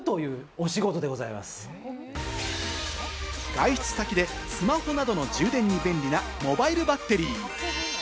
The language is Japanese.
外出先でスマホなどの充電に便利なモバイルバッテリー。